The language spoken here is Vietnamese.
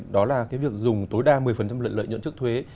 đó là cái việc dùng tối đa một mươi lợi nhuận trước thuế